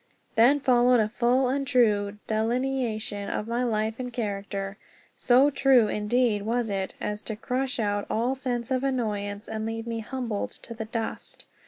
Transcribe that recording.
_" Then followed a full and true delineation of my life and character. So true, indeed, was it, as to crush out all sense of annoyance and leave me humbled to the dust.